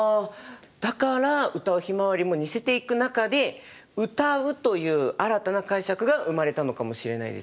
だから「唄うひまわり」も似せていく中で唄うという新たな解釈が生まれたのかもしれないですね。